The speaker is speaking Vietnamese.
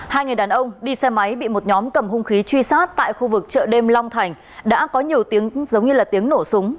hai người đàn ông đi xe máy bị một nhóm cầm hung khí truy sát tại khu vực chợ đêm long thành đã có nhiều tiếng giống như là tiếng nổ súng